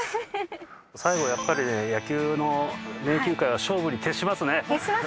最後やっぱりね野球の名球会は勝負に徹しますね。